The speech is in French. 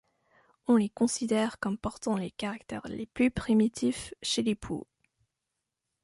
On les considère comme portant les caractères les plus primitifs chez les poux.